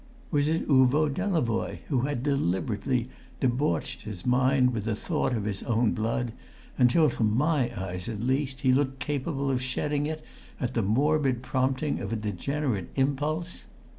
Was it Uvo Delavoye who had deliberately debauched his mind with the thought of his own blood, until to my eyes at least he looked capable of shedding it at the morbid prompting of a degenerate impulse?